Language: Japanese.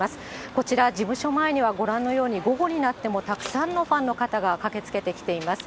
こちら、事務所前にはご覧のように、午後になってもたくさんのファンの方が駆けつけてきています。